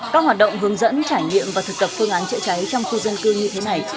các hoạt động hướng dẫn trải nghiệm và thực tập phương án chữa cháy trong khu dân cư như thế này